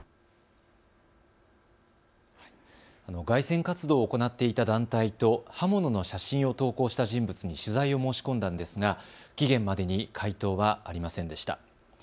街宣活動を行っていた団体と刃物の写真を投稿した人物に取材を申し込んだんですが期限までに回答はありませんでした。